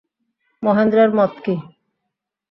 মহেন্দ্রের মত কী।